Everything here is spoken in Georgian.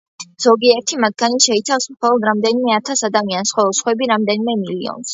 ზოგიერთი მათგანი შეიცავს მხოლოდ რამდენიმე ათას ადამიანს, ხოლო სხვები რამდენიმე მილიონს.